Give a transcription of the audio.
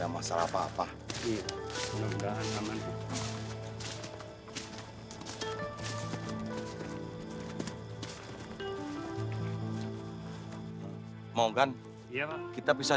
terima kasih espa kasih